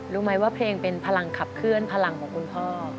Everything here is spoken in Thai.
รู้ไหมว่าเพลงเป็นพลังขับเคลื่อนพลังของคุณพ่อ